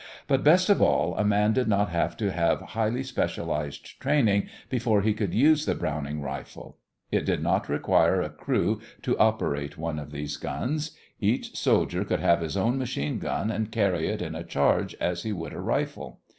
But best of all, a man did not have to have highly specialized training before he could use the Browning rifle. It did not require a crew to operate one of these guns. Each soldier could have his own machine gun and carry it in a charge as he would a rifle.